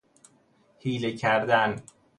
حیله کردن